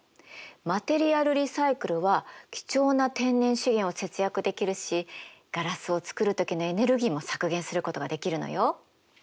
マテリアルリサイクルは貴重な天然資源を節約できるしガラスを作る時のエネルギーも削減することができるのよ。